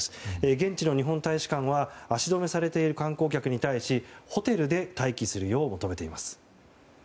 現地の日本大使館は足止めされている観光客に対してホテルで待機するよう求めています。